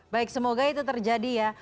baik semoga itu terjadi ya